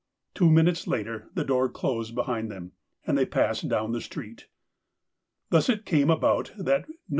Two minutes later the door closed behind them, and they passed down the street. Thus it came about that No.